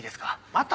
また？